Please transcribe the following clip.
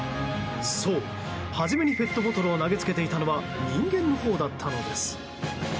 そう、初めにペットボトルを投げつけていたのは人間のほうだったのです。